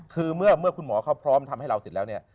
คือเมื่อคุณหมอเขาพร้อมทำให้เราเสร็จแล้วเนี่ย